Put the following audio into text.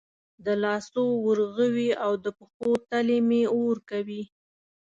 د لاسو ورغوي او د پښو تلې مې اور کوي